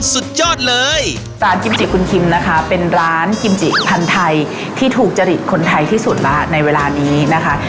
สุดยอดเลยร้านกิมจิคุณคิมนะคะเป็นร้านกิมจิพันธุ์ไทยที่ถูกจริตคนไทยที่สุดแล้วในเวลานี้นะคะ